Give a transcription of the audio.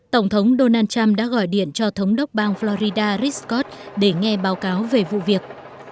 tổng thống donald trump đã gọi điện cho thống đốc bang florida riscott để nghe báo cáo về vụ việc